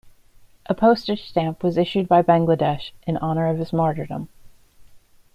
A postage stamp was issued by Bangladesh in honor of his martyrdom.